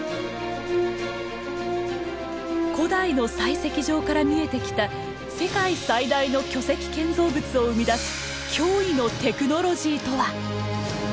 古代の採石場から見えてきた世界最大の巨石建造物を生み出す驚異のテクノロジーとは？